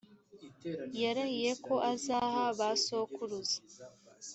yarahiye ko azaha ba sokuruza